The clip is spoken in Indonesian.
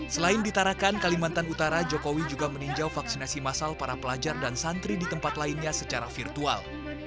selain di tarakan kalimantan utara jokowi juga meninjau vaksinasi masal para pelajar dan santri di tempat lainnya secara virtual